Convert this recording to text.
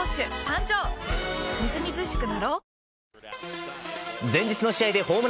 みずみずしくなろう。